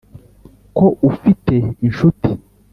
ko ufite inshuti